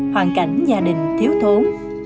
hoàn cảnh gia đình thiếu thốn